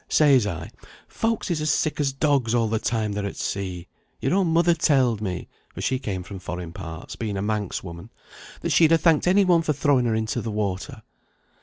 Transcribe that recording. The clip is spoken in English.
Says I, 'Folks is as sick as dogs all the time they're at sea. Your own mother telled me (for she came from foreign parts, being a Manx woman) that she'd ha thanked any one for throwing her into the water.'